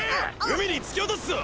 海に突き落とすぞ！